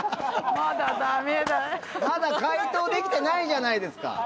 まだ解凍できてないじゃないですか。